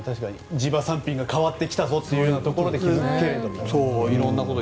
地場産品が変わってきたぞというところで気が付くかもですね。